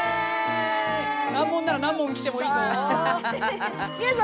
難問なら何問きてもいいぞ！